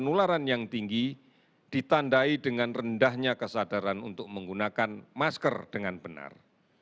penularan yang tinggi ditandai dengan rendahnya kesadaran untuk menggunakan masker dengan benar